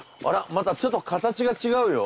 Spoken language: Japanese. またちょっと形が違うよ。